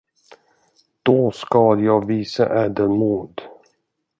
Då skall jag visa ädelmod.